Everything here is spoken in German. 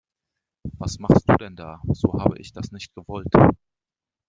Was machst du denn da, so habe ich das nicht gewollt.